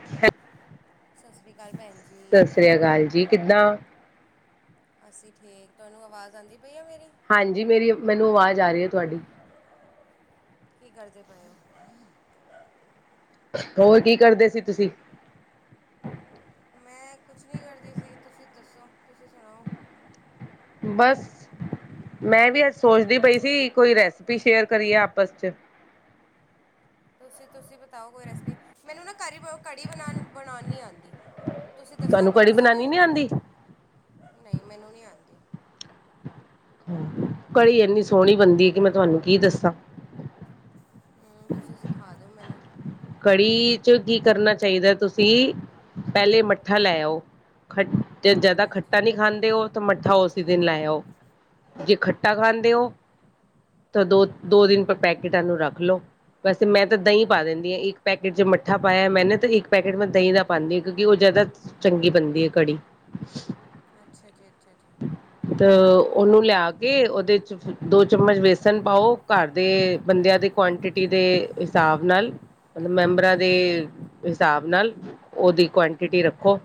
[unintelligible] ਸਤਿ ਸ਼੍ਰੀ ਅਕਾਲ ਭੈਣ ਜੀ। ਸਤਿ ਸ੍ਰੀ ਅਕਾਲ ਕਿੱਦਾਂ ਅਸੀਂ ਠੀਕ ਤੁਹਾਨੂੰ ਆਵਾਜ਼ ਆਉਂਦੀ ਪਈ ਆ ਮੇਰੀ ਹਾਂਜੀ ਮੇਰੀ ਮੈਨੂੰ ਆਵਾਜ਼ ਆ ਰਹੀ ਹੈ ਤੁਹਾਡੀ ਕੀ ਕਰਦੇ ਪਓ ਹੋਰ ਕੀ ਕਰਦੇ ਸੀ ਤੁਸੀਂ ਮੈਂ ਕੁਛ ਨਹੀਂ ਕਰਦੀ ਸੀ ਤੁਸੀਂ ਦੱਸੋ ਤੁਸੀਂ ਸੁਣਾਓ ਬਸ ਮੈਂ ਵੀ ਅੱਜ ਸੋਚਦੀ ਪਈ ਸੀ ਕੋਈ ਰੈਸਪੀ ਸ਼ੇਅਰ ਕਰੀਏ ਆਪਸ ਚ ਤੁਸੀਂ ਤੁਸੀਂ ਬਤਾਓ ਕੋਈ ਰੈਸਿਪੀ ਮੈਨੂੰ ਨਾ ਕਰੀ ਕੜੀ ਬਣਾਉਣ ਬਣਾਉਣ ਨਹੀਂ ਆਉਂਦੀ ਤੁਸੀਂ ਦੱਸਾਂ ਤੁਹਾਨੂੰ ਕੜੀ ਦੱਸੋਗੇ ਬਣਾਉਣੀ ਨੀ ਤੁਾਨੂੰ ਆਉਂਦੀ ਨਹੀਂ ਮੈਨੂੰ ਨਹੀਂ ਆਉਂਦੀ ਕੜੀ ਇੰਨੀ ਸੋਹਣੀ ਬਣਦੀ ਹੈ ਕਿ ਮੈਂ ਤੁਹਾਨੂੰ ਕੀ ਦੱਸਾਂ ਹਮ ਤੁਸੀਂ ਸਿਖਾ ਦਿਓ ਮੈਨੂੰ ਕੜੀ ਚ ਕੀ ਕਰਨਾ ਚਾਹੀਦਾ ਤੁਸੀਂ ਪਹਿਲੇ ਮੱਠਾ ਲੈਓ ਖੱ ਜ਼ਿਆਦਾ ਹਾਂਜੀ ਖੱਟਾ ਨਹੀਂ ਖਾਂਦੇ ਉਹ ਤੇ ਮੱਠਾ ਉਸ ਦਿਨ ਲਾਇਆਓ ਜੇ ਖੱਟਾ ਖਾਂਦੇ ਹੋ ਤਾਂ ਦੋ ਦੋ ਦਿਨ ਪਰ ਪੈਕੇਟਾਂ ਨੂੰ ਰੱਖ ਲਓ ਵੈਸੇ ਮੈਂ ਤਾਂ ਦਹੀਂ ਪਾ ਦਿੰਦੀ ਹਾਂ ਇੱਕ ਪੈਕੇਟ ਜੇ ਮੱਠਾ ਪਾਇਆ ਮੈਂਨ ਨਾ ਤੇ ਇੱਕ ਪੈਕੇਟ ਮੈਂ ਦਹੀਂ ਦਾ ਪਾਉਂਦੀ ਹਾਂ ਕਿਉਂਕਿ ਉਹ ਜ਼ਿਆਦਾ ਚੰਗੀ ਬਣਦੀ ਹੈ ਘੜੀ ਅੱਛਾ ਜੀ ਅੱਛਾ ਜੀ [unintelligible] ਉਹਨੂੰ ਲਿਆ ਕੇ ਉਹਦੇ 'ਚ ਦੋ ਚਮਚ ਬੇਸਨ ਪਾਓ ਘਰ ਦੇ ਬੰਦਿਆਂ ਦੇ ਕੁਆਂਟਿਟੀ ਦੇ ਹਿਸਾਬ ਨਾਲ ਮਤਲਬ ਮੈਂਬਰਾਂ ਦੇ ਹਾਂਜੀ ਹਾਂਜੀ ਹਿਸਾਬ ਨਾਲ ਉਹਦੀ ਕੁਆਂਟਿਟੀ ਰੱਖੋ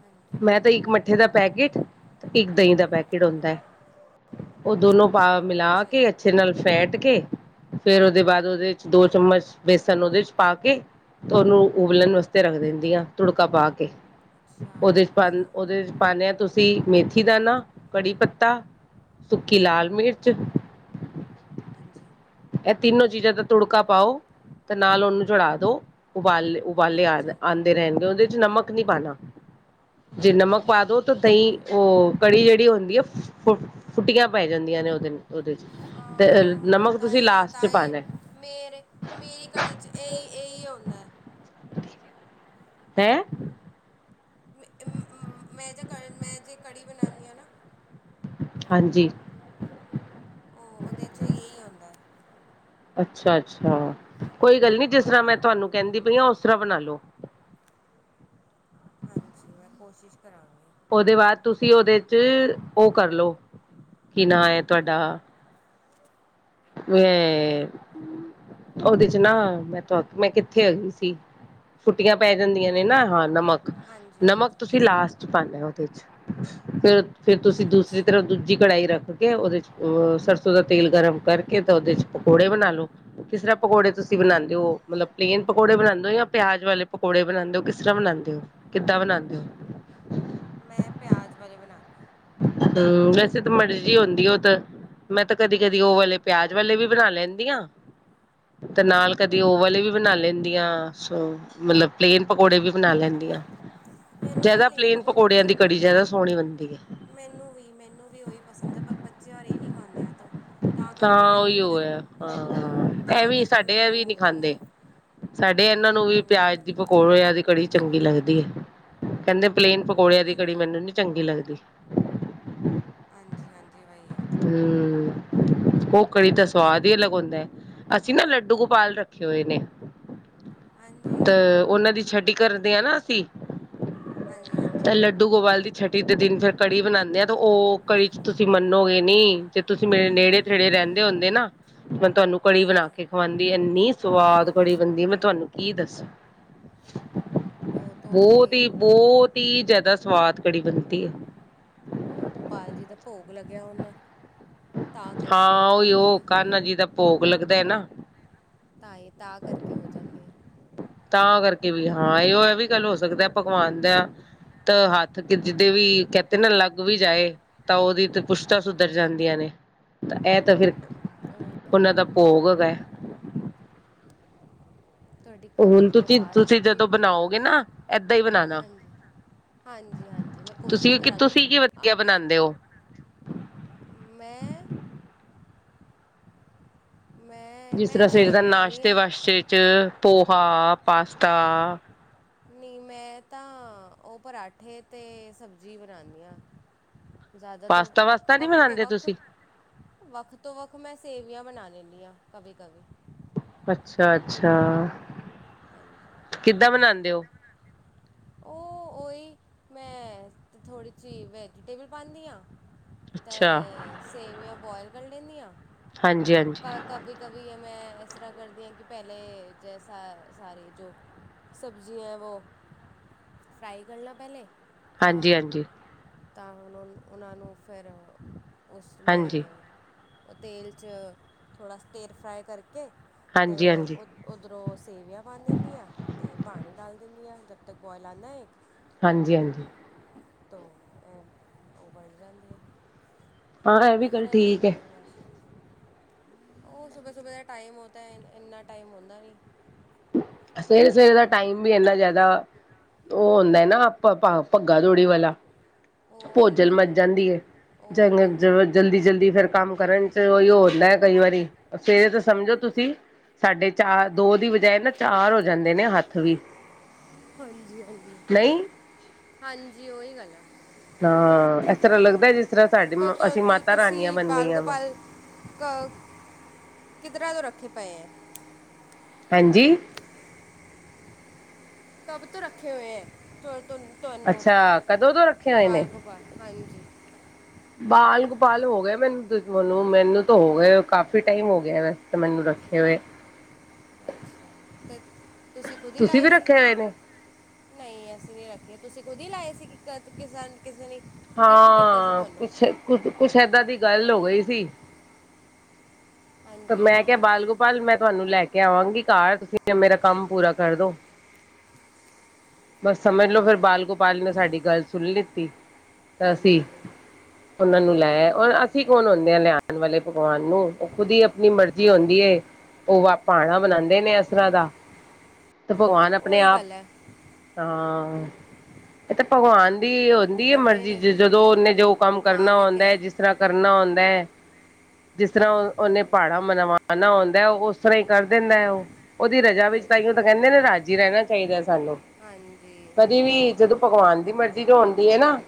ਹਾਂਜੀ ਮੈਂ ਤਾਂ ਇੱਕ ਮੱਠੇ ਦਾ ਪੈਕੇਟ ਇੱਕ ਦਹੀਂ ਦਾ ਪੈਕੇਟ ਖਿੜੋਂਦਾ ਹੈ ਉਹ ਦੋਨੋ ਪਾ ਮਿਲਾ ਅੱਛਾ ਕੇ ਜੀ ਅੱਛੇ ਨਾਲ ਫੈਟ ਕੇ ਫੇਰ ਉਹਦੇ ਬਾਅਦ ਉਹਦੇ ਚ ਦੋ ਚਮਚ ਬੇਸਨ ਉਹਦੇ ਚ ਪਾ ਕੇ ਤੇ ਉਹਨੂੰ ਉਬਲਣ ਵਾਸਤੇ ਰੱਖ ਦਿੰਦੀ ਹਾਂ ਤੁੜਕਾ ਪਾ ਕੇ ਅੱਛਾ ਉਹਦੇ ਚ ਪਾ ਅੱਛਾ ਉਹਦੇ ਚ ਪਾਦੇ ਹਾਂ ਤੁਸੀਂ ਮੇਥੀ ਦਾਾਨ ਕੜੀ ਪੱਤਾ ਸੁੱਕੀ ਲਾਲ ਮਿਰਚ ਹਾਂਜੀ ਇਹ ਤਿੰਨੋ ਚੀਜ਼ਾਂ ਦਾ ਤੁੜਕਾ ਪਾਓ ਤੇ ਨਾਲ ਉਹਨੂੰ ਚੜਾ ਦੋ ਉਬਾਲੇ ਹਾਂਜੀ ਵਾਲੇ ਆ ਹਾਂਜੀ ਆਉਂਦੇ ਰਹਿਣਗੇ ਉਹਦੇ ਚ ਨਮਕ ਨਹੀਂ ਪਾਉਣਾ ਜੇ ਨਮਕ ਪਾ ਦੋ ਤੋਂ ਤਹੀਂ ਹਾਂਜੀ ਉਹ ਕੜੀ ਜਿਹੜੀ ਹੁੰਦੀ ਆ ਫੁੱਟੀਆਂ ਪੈ ਜਾਂਦੀਆਂ ਨੇ ਉਹਦੇਨ ਉਹਦੇ ਚ ਤੇ ਹਾਂ ਨਮਕ ਤੁਸੀਂ ਤਾਂਹੀ ਲਾਸਟ ਚ ਤਾਂਹੀ ਪਾਣਾ ਮੇਰੇ ਮੇਰੀ ਕੜੀ 'ਚ ਇਹੀ ਇਹੀ ਆਦਾ [unintelligible] ਹੈ ਮੈਂ ਜੇ ਕ ਮੈਂ ਜੇ ਕੜੀ ਬਣਾਉਂਦੀ ਹਾਂ ਨਾ ਹਾਂਜੀ ਉਹ ਉਹਦੇ 'ਚ ਇਹੀ ਆਦਾ ਅੱਛਾ ਅੱਛਾ ਕੋਈ ਗੱਲ ਨੀ ਜਿਸ ਤਰ੍ਹਾਂ ਮੈਂ ਤੁਹਾਨੂੰ ਕਹਿੰਦੀ ਪਈ ਹਾਂ ਉਸ ਤਰ੍ਹਾਂ ਬਣਾਲ ਲੋ ਹਾਂਜੀ ਮੈਂ ਕੋਸ਼ਿਸ਼ ਕਰਾਂਗੀ ਉਹਦੇ ਬਾਅਦ ਤੁਸੀਂ ਉਹਦੇ ਚ ਉਹ ਕਰਲੋ ਕਿ ਨਾ ਹੈ ਤੁਹਾਡਾ ਮੈਂ ਉਹਦੇ ਚ ਨਾ ਮੈਂ ਮੈਂ ਕਿੱਥੇ ਆਗੀਈ ਸੀ ਫੁੱਟੀਆਂ ਪੈ ਜਾਂਦੀਆਂ ਨੇ ਨਾ ਹਾਂ ਨਮਕ ਹਾਂਜੀ ਨਮਕ ਹਾਂਜੀ ਤੁਸੀਂ ਲਾਸਟ ਪਾਉਦੇ ਹੋ ਉਹਦੇ ਚ ਫੇਰ ਫਿਰ ਤੁਸੀਂ ਦੂਸਰੀ ਅੱਛਾ ਤਰ੍ਹਾਂ ਜ ਕੜਾਹੀ ਰੱਖ ਕੇ ਉਹਦੇ ਚ ਅਹ ਸਰਸੋਂ ਦਾ ਤੇਲ ਗਰਮ ਕਰਕੇ ਤਾਂ ਉਹਦੇ ਚ ਪਕੌੜੇ ਬਣਾ ਲਓ ਕਿਸ ਤਰ੍ਹਾਂ ਪਕੌੜੇ ਤੁਸੀਂ ਬਣਾਉਂਦੇ ਹੋ ਮਤਲਬ ਪਲੇਨ ਪਕੌੜੇ ਬਣਾਉਂਦੇ ਹੋ ਜਾਂ ਪਿਆਜ ਵਾਲੇ ਪਕੌੜੇ ਬਣਾਉਂਦੇ ਹੋ ਕਿਸ ਤਰ੍ਹਾਂ ਬਣਾਉਂਦੇ ਹੋ ਕਿੱਦਾਂ ਬਣਾਉਂਦੇ ਹੋ ਮੈਂ ਪਿਆਜ਼ ਵਾਲੇ ਬਣਾਉਂਦੀ ਹਾਂ ਹਮ ਵੈਸੇ ਤਾਂ ਮਰਜ਼ ਆਉਂਦੀ ਉਹ ਤਾਂ ਮੈਂ ਤਾਂ ਕਦੀ ਕਦੀ ਉਹ ਵਾਲੇ ਪਿਆਜ ਵਾਲੇ ਵੀ ਬਣਾ ਲੈਂਦੀ ਆ। ਤੇ ਨਾਲ ਕਦੀ ਉਹ ਵਾਲੀ ਵੀ ਬਣਾ ਲੈਂਦੀਆਂ ਸੋ ਮਤਲਬ ਪਲੇਨ ਪਕੌੜੇ ਵੀ ਬਣਾ ਲੈਂਦੀ ਆ। ਮੈਨੂੰ ਨਾ ਜਿਆਦਾ ਪਲੇਨ ਪਕੌੜੀ ਪਕੌੜਿਆਂ ਦੀ ਪਸੰਦ ਹੈ ਕੜੀ ਜਿਆਦਾ ਸੋਹਣੀ ਬਣਦੀ ਐ। ਮੈਨੂੰ ਵੀ ਮੈਨੂੰ ਵੀ ਉਹੀ ਪਸੰਦ ਐ ਪਰ ਬੱਚੇ ਰ ਇਹ ਨਹੀਂ ਖਾਂਦੇ ਤੋਂ। ਕਰਕੇ ਤਾਂ ਉਹੀ ਮੈਨੂੰ ਉਹ ਫਿਰ ਹੈ ਹਾਂ ਐ ਤਾਂ ਵੀਂ ਕਰਕੇ ਸਾਡੇ ਐ ਮੈਨੂੰ ਵੀ ਨੀ ਖਾਂਦੇ। ਉਹ ਸਾਡੇ ਇਹਨਾਂ ਨੂੰ ਵੀ ਉਹ ਪਿਆਜ ਦੀ ਪਕੌੜੇ ਆ ਦੀ ਕੜੀ ਚੰਗੀ ਲੱਗਦੀ ਹੈ ਕਹਿੰਦੇ ਪਲੇਨ ਪ ਕੋਲਿਆਂ ਦੀ ਕੜੀ ਹਾਂਜੀ ਮੈਨੂੰ ਨੀ ਚੰਗੀ ਲੱਗਦੀ। ਹਾਂਜੀ ਹਾਂਜੀ ਵਾਈ ਹੈ। ਹੂੰ, ਔ ਕੜੀ ਤਾਂ ਸਵਾਦ ਹੀ ਅਲੱਗ ਹੁੰਦਾ। ਅਸੀਂ ਨਾ ਲੱਡੂ ਗੋਪਾਲ ਰੱਖੇ ਹੋਏ ਨੇ। ਤੇ ਹਾਂਜੀ ਉਹਨਾਂ ਦੀ ਛੱਡੀ ਕਰਦੇ ਆ ਨਾ ਅਸੀਂ। ਹਾਂਜੀ, ਹਾਂਜੀ। ਧੂ ਗੋਪਾਲ ਦੀ ਛੱਟੀ ਦੇ ਦਿਨ ਫਿਰ ਕੜੀ ਬਣਾਂਦੇ ਆ, ਤੇ ਉਹ ਕੜੀ ਚ ਤੁਸੀਂ ਮੰਨੋਗੇ ਨੀ ਜੇ ਤੁਸੀਂ ਮੇਰੇ ਨੇੜੇ ਤੇੜੇ ਰਹਿੰਦੇ ਹੁੰਦੇ ਨਾ ਮੈਂ ਤੁਹਾਨੂੰ ਕੜੀ ਬਣਾ ਹਾਂਜੀ ਕੇ ਖਵਾਂਦੀ। ਇੰਨੀ ਸਵਾਦ ਕੜੀ ਬਣਦੀ ਮੈਂ ਤੁਹਾਨੂੰ ਕੀ ਦੱਸਾ। ਉਹ ਤਾਂ ਓਨਾ ਬਹੁਤ ਹੈ ਹੀ ਉਹ ਬਹੁਤ ਹੀ ਜ਼ਿਆਦਾ ਸਵਾਦ ਕੜੀ ਬਣਦੀ ਆ। ਉਹ ਗੋਪਾਲ ਜੀ ਦਾ ਭੋਗ ਲੱਗਿਆ ਉਹਨੂੰ ਹਾਂ ਓਹੀਓ ਕਾਣਾ ਜੀ ਦਾ ਭੋਗ ਲੱਗਦਾ ਨਾ। ਤਾਂ ਹੀ ਤਾਂ ਕਰਕੇ ਹੋ ਜਾਂਦੇ ਆ। ਤਾਂ ਕਰਕੇ ਵੀ ਹਾਂ ਇਹੋ ਵੀ ਗੱਲ ਹੋ ਸਕਦਾ ਭਗਵਾਨ ਦਾ। ਤਾਂ ਹੱਥ ਜਿਦੇ ਵੀ ਕਹਿੰਦੇ ਨਾ ਲੱਗ ਵੀ ਜਾਏ ਤਾਂ ਉਹਦੀ ਤੇ ਪੁਸ਼ਤਾ ਸੁਧਰ ਜਾਂਦੀਆਂ ਨੇ ਤਾਂ ਇਹ ਤਾਂ ਫਿਰ ਓਹੀ। ਉਹਨਾਂ ਦਾ ਭੋਗ ਹੈਗਾ। ਤੁਹਾਡੀ ਹੁਣ ਤੁਹਾਡੀ ਤੁਸੀਂ ਆਵਾਜ਼ ਤੁਸੀਂ ਕੱਟਦੀ ਜਦੋਂ ਪਈ ਬਣਾਓਗੇ ਨਾ ਏਦਾਂ ਹੀ ਬਣਾਣਾ ਐ। ਹਾਂਜੀ ਹਾਂਜੀ, ਮੈਂ ਕੋਸ਼ਿਸ਼ ਤੁਸੀਂ ਕਿ ਕਰਾਂਗੀ। ਤੁਸੀਂ ਕੀ ਆ ਵਧੀਆ ਬਣਾਂਦੇ ਓ। ਮੈਂ ਮੈਂ ਜਿਸ ਮੈਂ ਤਰ੍ਹਾਂ ਇਸ ਸਵੇਰ ਹੀ ਦੇ ਬਣਾਉਣੀ ਨਾਸ਼ਤੇ ਆ ਵਾਸ਼ਤੇ ਚ ਪੋਹਾ, ਪਾਸਤਾ ਨਹੀਂ ਮੈਂ ਤਾਂ ਉਹ ਪਰਾਂਠੇ ਤੇ ਸਬਜ਼ੀ ਬਣਾਂਦੀ ਆ। ਜ਼ਿਆਦਾ ਤੋਂ ਪਾਸਤਾ ਵਾਸਤਾ ਨਹੀਂ ਵੱਖ ਤੋਂ ਬਣਾਉਂਦੇ ਵੱਖ ਤੁਸੀਂ ਵੱਖ ਤੋਂ ਵੱਖ ਮੈਂ ਸੇਵੀਆਂ ਬਣਾ ਲੈਣੀ ਆ ਕਦੇ ਕਦੇ। ਅੱਛਾ ਅੱਛਾ, ਹਾਂਜੀ, ਕਿੱਦਾਂ ਬਣਾਉਂਦੇ [unintelligible] [unintelligible] ਉਹ ਮੈਂ ਥੋੜ੍ਹੀ ਜਿਹੀ ਵੈਜੀਟੇਬਲ ਪਾਂਦੀ ਆ। ਅੱਛਾ ਤੇ ਸੇਵੀਆਂ ਬੋਆਇਲ ਕਰ ਲੈਂਦੀ ਆ ਹਾਂਜੀ ਹਾਂਜੀ। ਕਭੀ ਕਭੀ ਇਹ ਮੈਂ ਇਸ ਤਰ੍ਹਾਂ ਕਰਦੀ ਹਾਂ ਕਿ ਪਹਿਲੇ ਜੈਸਾ ਸਾਰੇ ਜੋ ਸਬਜ਼ੀਆਂ ਐ ਉਹ ਫਰਾਈ ਕਰਨਾ ਪਹਿਲੇ ਤਾਂ ਹਾਂਜੀ ਹਾਂਜੀ ਤਾਂ ਹੁਣ ਉਹਨਾਂ ਨੂੰ ਫਿਰ ਉਸ ਹਾਂਜੀ ਹਾਂਜੀ ਮੈਂ ਉਹ ਤੇਲ 'ਚ ਥੋੜ੍ਹਾ ਤੇਲ ਫਰਾਈ ਕਰਕੇ ਤੇ ਹਾਂਜੀ ਉੱਧਰੋਂ ਸੇਵਿਆ ਦਿੰਦੀ ਆ ਤੇ ਪਾਣੀ ਡਾਲ ਦਿੰਦੀ ਆ ਜਦ ਤੱਕ ਬੁਆਇਲ ਆਂਦਾ ਐ। ਹਾਂਜੀ ਹਾਂਜੀ। ਤੋਂ ਐ ਉਹ ਬਣ ਜਾਂਦੀ ਆ ਹਾਂ ਇਹ ਵੀ ਇਸ ਗੱਲ ਤਰਾਂ ਹੀ ਠੀਕ ਹੈ ਕਰਦੀ ਹਾਂ ਮੈਂ। ਉਹ ਸੁਬੇ ਸੁਬੇ ਦਾ ਟਾਈਮ ਹੋਤਾ ਇਨਾ ਟਾਈਮ ਹੁੰਦਾ ਨੀ। ਸਵੇਰੇ ਸਵੇਰੇ ਦਾ ਟਾਈਮ ਵੀ ਇੰਨਾ ਜ਼ਿਆਦਾ ਉਹ ਹੁੰਦਾ ਨਾ ਆਪਾਂ ਭੱਗਾ ਦੋੜੀ ਵਾਲਾ। ਉਹੀ ਭੋਜਲ ਗੱਲ ਮਰ ਉਹੀ ਜਾਂਦੀ ਗੱਲ ਹੈ। ਜਗ ਉਹੀ ਗੱਲ ਆ ਜਲਦੀ ਜਲਦੀ ਫਿਰ ਕੰਮ ਕਰਨ ਚ ਉਹੀ ਹੁੰਦਾ ਕਈ ਵਾਰੀ ਸਵੇਰੇ ਤਾਂ ਸਮਝੋ ਤੁਸੀਂ ਸਾਡੇ ਚਾਰ ਦੋ ਦੀ ਬਜਾਏ ਨਾ ਚਾਰ ਹੋ ਜਾਂਦੇ ਨੇ ਹੱਥ ਵੀ। ਹਾਂਜੀ ਹਾਂਜੀ ਨਹੀਂ ਹਾਂਜੀ ਉਹੀ ਗੱਲ ਆ। ਹਾਂ ਇਸ ਤਰ੍ਹਾਂ ਲੱਗਦਾ ਜਿਸ ਤਰ੍ਹਾਂ ਸਾਡੇ ਅਸੀਂ ਮਾਤਾ ਰਾਨੀਆਂ ਤੁਸੀਂ ਬਣ ਬਾਲ ਗਈਆਂ ਵਾ ਗੋਪਾਲ ਕ ਕਿੱਧਰ ਤੋਂ ਰੱਖੇ ਪਏ ਹੈ। ਹਾਂਜੀ? ਕਦੋਂ ਤੋਂ ਰੱਖੇ ਹੋਏ ਹੈ ਤੁਹਾਨੂੰ ਅੱਛਾ ਕਦੋਂ ਤੋਂ ਰੱਖੇ ਹੋਏ ਨੇ ਬਾਲ ਗਪਾਲ ਹਾਂਜੀ। ਬਾਲ ਗੋਪਾਲ ਹੋ ਗਏ ਮੈਨੂੰ ਮਨੂੰ ਮੈਨੂੰ ਤਾਂ ਹੋ ਗਿਆ ਕਾਫ਼ੀ ਟਾਈਮ ਹੋ ਗਿਆ ਵੈਸੇ ਮੈਨੂੰ ਰੱਖੇ ਹੋਏ। ਅੱਛਾ [unintelligible] ਤੇ ਤੁਸੀਂ ਖੁਦ ਹੀ ਲਾਏ ਵੀ ਸੀ। ਰੱਖੇ ਹੋਏ ਨੇ ਨਹੀਂ ਅਸੀਂ ਨੀ ਰੱਖੀ ਤੁਸੀਂ ਖੁਦ ਹੀ ਲਾਏ ਸੀ ਕਿਸ ਕਿਸੇ ਨੇ। ਗਿਫਟ ਕੀਤੇ ਸੀ ਹਾਂ ਤੁਹਾਨੂੰ ਕੁਛ ਕੁ ਕੁਛ ਏਦਾਂ ਦੀ ਗੱਲ ਹੋ ਗਈ ਸੀ। ਤੇ ਹਾਂਜੀ ਮੈਂ ਕਿਹਾ ਹਾਂਜੀ ਬਾਲਗੋਪਾਲ ਮੈਂ ਤੁਹਾਨੂੰ ਲੈ ਕੇ ਆਵਾਂਗੀ ਘਰ ਤੁਸੀਂ ਮੇਰਾ ਕੰਮ ਪੂਰਾ ਕਰਦੋ। ਬਸ ਸਮਝ ਲੋੋ ਫਿਰ ਬਾਲ ਗੋਪਾਲ ਨੇ ਸਾਡੀ ਗੱਲ ਸੁਣ ਲਿੱਤੀ ਤਾਂ ਅਸੀਂ ਹਾਂਜੀ ਉਹਨਾਂ ਨੂੰ ਲੈਆ ਰ ਅਸੀਂ ਕੌਣ ਆਉਂਦੇ ਹਾਂ ਲਿਆਉਣ ਵਾਲੇ ਭਗਵਾਨ ਨੂੰ ਉਹ ਖੁਦ ਹੀ ਆਪਣੀ ਮਰਜ਼ ਜੀ ਹੁੰਦੀ ਉਹ ਭਣਾ ਬਣਾਉਂਦੇ ਨੇ ਅਸਰ੍ਹਾਂ ਦਾ ਤੇ ਭਗਵਾਨ ਆਪਣੇ ਉਹੀ ਆਪ ਗੱਲ ਹੈ ਹਾਂ ਇਹ ਤੇ ਭਗਵਾਨ ਦੀ ਉਹ ਹੁੰਦੀ ਹੈ ਕਰਦੇ ਮਰਜ਼ੀ ਨੇ ਜਦੋਂ ਉਹਨੇ ਜੋ ਕੰਮ ਕਰਨਾ ਆਉਂਦਾ ਹੈ ਜਿਸ ਤਰ੍ਹਾਂ ਕਰਨਾ ਹੁੰਂਦਾ ਹੈ। ਜਿਸ ਤਰ੍ਹਾਂ ਉਹਨੇ ਪਹਾੜਾ ਨਹੀਂ, ਮਨਵਾਣਾ ਆਉਂਦਾ ਹੈ ਉਸ ਤਰ੍ਹਾਂ ਹੀ ਕਰ ਦਿੰਦਾ ਹੈ ਉਹ ਉਹਦੀ ਰਜਾ ਵਿੱਚ ਕਰਦੇ ਤਾਂਈਓ ਤਾਂ ਨੇ ਕਹਿੰਦੇ ਨਾ ਰਾਜ਼ਜੀ ਰਹਿਣਾ ਚਾਹੀਦਾ ਸਾਨੂੰ। ਹਾਂਜੀ। ਕਦੀ ਵੀ ਜਦੋਂ ਪਕਵਾਨ ਦੀ ਮਰਜ਼ੀ ਜੋ ਆਂਦੀ ਹੈ ਨਾ।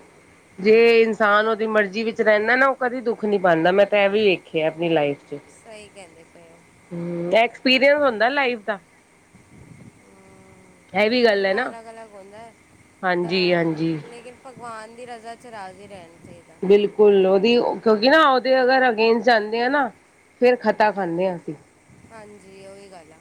ਜੇ ਇਨਸਾਨ ਉਹਦੀ ਮਰਜ਼ੀ ਵਿੱਚ ਰਹਿੰਦਾ ਨਾ ਉਹ ਕਦੇ ਦੁੱਖ ਨੀ ਪਾਉਂਦਾ ਮੈਂ ਤਾਂ ਇਹ ਵੀ ਵੇਖਿਆ ਆਪਣੀ ਲਾਈਫ। ਸਹੀ ਕਹਿੰਦੇ ਪਏ ਹੋ ਐਕਸਪੀਰੀਅੰਸ ਹੁੰਦਾ ਲਾਈਫ ਦਾ। ਹੈਵੀ ਸਭ ਗੱਲ ਹੈ ਨਾ। ਦਾ ਅਲੱਗ ਅਲੱਗ ਹੁੰਦਾ ਹਾਂਜੀ ਤਾਂ ਹਾਂਜੀ ਲੇਕਿਨ ਭਗਵਾਨ ਦੀ ਰਜ਼ਾ 'ਚ ਰਾਜ਼ੀ ਰਹਿਣਾ ਚਾਹੀਦਾ। ਬਿਲਕੁਲ ਉਹਦੀ ਕਿਉਂਕਿ ਨਾ ਉਹਦੇ ਅਗਰ ਅਗੇਨਸਟ ਜਾਂਦੇ ਆ ਨਾ। ਫਿਰ ਖਤਾ ਖਾਂਦੇ ਹਾਂ ਅਸੀਂ। ਹਾਂਜੀ ਉਹੀ ਗੱਲ ਆ।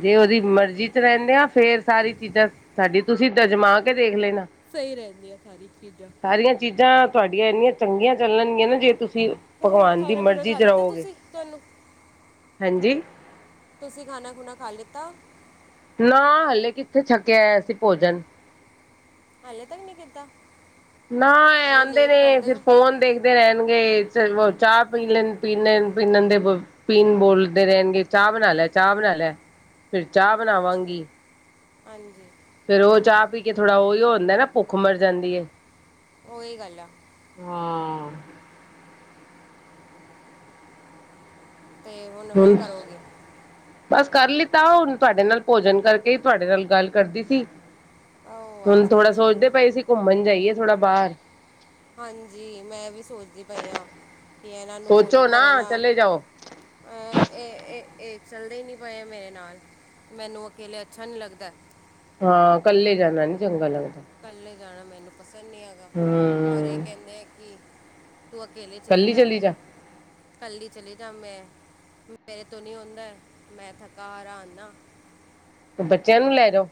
ਜੇ ਉਹਦੀ ਮਰਜ਼ੀ ਚ ਰਹਿੰਦੇ ਆ ਫੇਰ ਸਾਰੀ ਚੀਜ਼ਾਂ ਸਾਡੀ ਤੁਸੀਂ ਦਜਮਾ ਕੇ ਦੇਖ ਲੈਣਾ। ਸਹੀ ਰਹਿੰਦੀਆਂ ਸਾਰੀ ਚੀਜ਼ਾਂ। ਸਾਰੀਆਂ ਚੀਜ਼ਾਂ ਤੁਹਾਡੀਆਂ ਇੰਨੀਆਂ ਚੰਗੀਆਂ ਚੱਲਣਗੀਆਂ ਨਾ ਜੇ ਤੁਸੀਂ ਹੋਰ ਭਗਵਾਨ ਦੀ ਖਾਣਾ ਖੁਣਾ ਮਰਜ਼ੀ ਖਾ ਚ ਲਿੱਤਾ ਰਹੋਗੇ ਤੁਸੀਂ ਤੁਹਾਨੂੰ ਹਾਂਜੀ ਤੁਸੀਂ ਖਾਣਾ ਖੁਣਾ ਖਾ ਲਿੱਤਾ। ਨਾ ਹਲੇ ਕਿੱਥੇ ਛੱਕਿਆ ਐ ਭੋਜਨ। ਹਲੇੇ ਤੱਕ ਨੀ ਕੀਤਾ। ਨਾ ਇਹ ਬੜੀ ਆਉਂਦੇ ਲੇਟ ਨੇ ਕਰਦੇ ਫਿਰ ਹੋ ਫੋਨ ਦੇਖਦੇ। ਰਹਿਣਗੇ ਚਾਹ ਪੀ ਲੈਣ ਪੀ ਲੈ ਪੀਣ ਦੇ। ਪੀਨ ਬੋਲਦੇ ਰਹਿਣਗੇ ਚਾਹ ਬਣਾ ਲੈ ਚਾਹ ਬਣਾ ਲੈ। ਫਿਰ ਚਾਹ ਅੱਛਾ ਬਣਾਵਾਂਗੀ। ਹਾਂਜੀ ਫੇਰ ਉਹ ਚਾਹ ਪੀ ਕੇ ਥੋੜਾ ਉਓ ਹੁੰਦਾ ਨਾ ਭੁੱਖ ਮਰ ਜਾਂਦੀ। ਉਹੀ ਗੱਲ ਆ। ਹਾਂ। ਤੇ ਹੁਣ ਹੁਣ ਕਰੋਗੇ। ਬਸ ਕਰ ਲਿੱਤਾ ਹੁਣ ਤੁਹਾਡੇ ਨਾਲ ਭੋਜਨ ਕਰਕੇ ਤੁਹਾਡੇ ਨਾਲ ਗੱਲ ਕਰਦੀ ਸੀ। ਓ ਹੁਣ ਅੱਛਾ ਥੋੜਾ ਸੋਚਦੇ ਅੱਛਾ ਪਾਈ ਅਸੀਂ ਘੁੰਮਣ ਜਾਈਏ ਥੋੜਾ ਬਾਹਰ। ਹਾਂਜੀ ਮੈਂ ਵੀ ਸੋਚਦੀ ਪਈ ਹਾਂ ਕਿ ਇਹਨਾਂ ਨੂੰ ਬੋਲੂ ਸੋਚੋ ਪਰ ਨਾ ਇਹਨਾਂ ਚਲੇ ਜਾਓ ਅਹ, ਇਹ, ਇਹ ਚੱਲਦੇ ਹੀ ਨਹੀਂ ਪਏ ਮੇਰੇ ਨਾਲ। ਮੈਨੂੰ ਅਕੇਲੇ ਅੱਛਾ ਨਹੀਂ ਲੱਗਦਾ। ਹਾਂ। ਕੱਲੇ ਜਾਣਾ ਨੀ ਚੰਗਾ ਲੱਗਦਾ। ਇਕੱਲੇ ਜਾਣਾ ਮੈਨੂੰ ਪਸੰਦ ਨਹੀਂ ਹੈਗਾ। ਔਰ ਇਹ ਹੂੰ ਕਹਿੰਦੇ ਆ ਕਿ ਤੂੰ ਅਕੇਲੇ ਚੱਲ ਕੱਲੀ ਜਾ। ਚਲੀ ਕੱਲੀ ਚਲੇ ਜਾ ਮੈਂ। ਮੇਰੇ ਤੋਂ ਨੀ ਉਂਦਾ। ਮੈਂ ਥੱਕ ਹਾਰ ਆਉਨਾ। ਬੱਚਿਆਂ ਨੂੰ ਲੈ ਜਾਓ।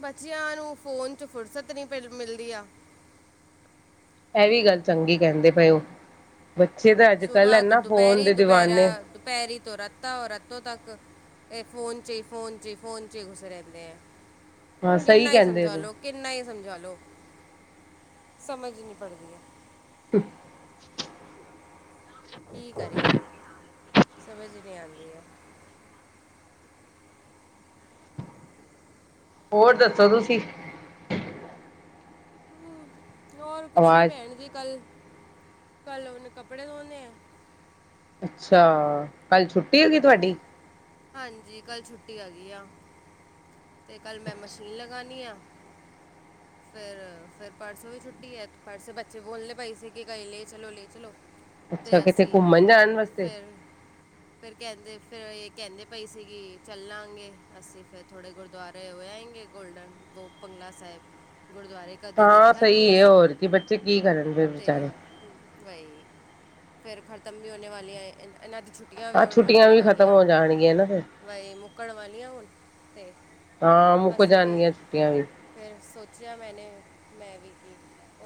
ਬੱਚਿਆਂ ਨੂੰ ਫ਼ੋਨ 'ਚ ਫ਼ੁਰਸਤ ਨਹੀਂ ਪਿਲ ਮਿਲਦੀ ਆ। ਇਹ ਵੀ ਗੱਲ ਚੰਗੀ ਕਹਿੰਦੇ ਪਏਓ। ਬੱਚੇ ਤਾਂ ਅੱਜ ਕੱਲ ਹੈ ਨਾ ਫੋਨ ਦੇਵਾਨੇ। ਦੁਪਹਿਰੀ ਤੋਂ ਰੱਤ, ਉਹ ਰਾੱਤੋਂ ਤੱਕ ਇਹ ਫੋਨ ਚ' ਹੀ, ਫੋਨ ਚ' ਹੀ, ਫੋਨ ਚ' ਹੀ ਘੁਸੇ ਰਹਿੰਦੇ ਆ। ਹਾਂ ਸਹੀ ਕਿੰਨਾ ਹੀ ਕਹਿੰਦੇ ਸਮਝਾ ਪਏ ਲੋਓ। ਕਿੰਨਾ ਹੀ ਸਮਝਾ ਲਓ। ਸਮਝ ਨਹੀਂ ਪਦੀ ਹੈ। ਹ। ਕੀ ਕਰੀਏ। ਸਮਝ ਨਹੀਂ ਆਉਂਦੀ ਹੈ। ਹੋਰ ਦੱਸੋ ਤੁਸੀਂ? ਹੋਰ ਕੁਛ ਨਹੀਂ ਆਵਾਜ਼ ਭੈਣ ਜੀ ਕੱਲ, ਕੱਲ ਉਹਨੇ ਕੱਪੜੇ ਧੋਣੇ ਹੈ। ਅੱਛਾ। ਕੱਲ ਛੁੱਟੀ ਹੈਗੀ ਬਸ ਤੁਹਾਡੀ? ਹਾਂਜੀ। ਕੱਲ ਛੁੱਟੀ ਹੈਗੀ ਆ। ਤੇ ਕੱਲ੍ਹ ਮੈਂ ਮਸ਼ੀਨ ਲਗਨੀ ਆ। ਫਿਰ -ਫਿਰ ਪਰਸੋਂ ਵੀ ਛੁੱਟੀ ਹੈ। ਪਰਸੋਂ ਬੱਚੇ ਬੋਲਣੇ ਪੈ ਸੀ ਕਿ ਕਈ ਲੈ ਚਲੋ, ਲੈ ਚਲੋ। ਅੱਛਾ ਤੇ ਕਿਤੇ ਅਸੀਂ। ਘੁੰਮਣ ਜਾਣ ਵਾਸਤੇ ਫਿਰ ਫਿਰ ਕਹਿੰਦੇ ਫਿਰ ਇਹ ਕਹਿੰਦੇ ਪਈ ਸੀਗੇ। ਚੱਲਾਂਗੇ ਅਸੀਂ ਫਿਰ ਥੋੜ੍ਹੇ ਗੁਰਦੁਆਰੇ। ਹੋਏ ਆਏਂਗੇ ਗੋਲਡਨ ਵੋ ਬੰਗਲਾ ਸਾਹਿਬ ਗੁਰਦੁਆਰੇ। ਕਦੀ ਹਾਂ ਦੇਖਿਆ ਵੀ ਨਹੀਂ ਸਹੀ ਹੈ ਅਸੀਂ। ਹੋਰ ਕੀ ਬੱਚੇ ਕੀ ਕਰਨ ਫਿਰ ਤੇ ਵਿਚਾਰੇ ਬਹੀ। ਫਿਰ ਖਤਮ ਵੀ ਹੋਣੇ ਵਾਲੀਆਂ ਹੈ ਇ ਇਹਨਾਂ ਦੀ ਛੁੱਟੀ। ਵੀ ਹਾਂ ਹੁਣ ਛੁੱਟੀਆਂ ਮੁੱਕਣ ਵੀ ਖ਼ਤਮ ਵਾਲੀਆਂ। ਹੋ ਜਾਣਗੀਆਂ ਨਾ ਫਿਰ ਬਾਈ ਮੁੱਕਣ ਵਾਲੀਆਂ ਹੁਣ ਅਤੇ ਹਾਂ ਮੁੱਕ ਅਸੀਂ ਵੀ ਜਾਣਗੀਆਂ ਛੁੱਟੀਆਂ ਵੀ ਫਿਰ ਸੋਚਿਆ ਮੈਂਨੇ, ਮੈਂ ਵੀ ਕੀ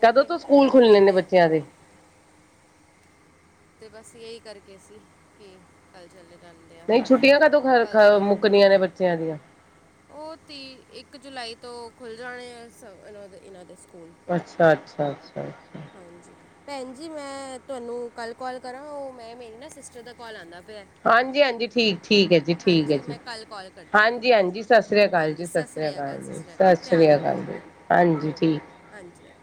ਕਦੋਂ ਓਕੇ ਤੋਂ ਸਕੂਲ ਚੱਲ ਖੁੱਲਣੇ ਨੇ ਲੈਂਦੇ ਹਾਂ। ਬੱਚਿਆਂ ਦੇ ਅਤੇ ਬਸ ਇਹੀ ਕਰਕੇ ਸੀ। ਕਿ ਕੱਲ ਚਲੇ ਜਾਂਦੇ ਆ, ਨਹੀਂ ਪਰਸੋਂ। ਛੁੱਟੀਆਂ ਕਦੋਂ ਖ ਖ ਕੱਲ ਤੋਂ ਮੈਂ ਕੱਪੜ ਮੁੱਕਣੀਆਂ ਨੇ ਬੱਚਿਆਂ ਦੀਆਂ ਉਹ ਤੀਹ, ਇੱਕ ਜੁਲਾਈ ਤੋਂ ਖੁੱਲ ਜਾਣੇ ਆ ਇਹਨਾਂ ਦੇ ਇਹਨਾਂ ਦੇ ਸਕੂਲ। ਅੱਛਾ- ਅੱਛਾ- ਅੱਛਾ- ਅੱਛਾ। ਹਾਂਜੀ ਭੈਣ ਜੀ। ਮੈਂ ਤੁਹਾਨੂੰ ਕੱਲ੍ਹ ਕੋਲ ਕਰਾਂ। ਉਹ ਮੈਂ ਮੇਰੀ ਨਾ ਸਿਸਟਰ ਦਾ ਕੋਲ ਆਉਂਦਾ ਪਿਆ। ਹਾਂਜੀ- ਹਾਂਜੀ, ਠੀਕ -ਠੀਕ ਹੈ ਜੀ, ਠੀਕ ਹੈ ਹਾਂਜੀ ਜੀ, ਮੈਂ ਕੱਲ ਕਾਲ ਕਰਦੀ ਹਾਂ ਹਾਂਜੀ- ਤੁਹਾਨੂੰ ਹਾਂਜੀ, ਸਤਿ ਸ੍ਰੀ ਅਕਾਲ। ਹਾਂਜੀ ਸਤਿ ਸਤੀ ਸ੍ਰੀ ਅਕਾਲ ਜੀ, ਸਤਿ ਸ੍ਰੀ ਅਕਾਲ ਜੀ। ਸਤਿ ਧਿਆਨ ਸ੍ਰੀ ਰੱਖਿਓ ਅਕਾਲ ਜੀ। ਆਪਣਾ ਹਾਂਜੀ। ਓ ਠੀਕ। ਹਾਂਜੀ- ਹਾਂਜੀ।